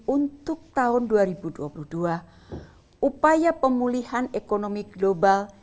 untuk tahun dua ribu dua puluh dua upaya pemulihan ekonomi global